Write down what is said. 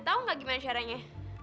tau nggak gimana caranya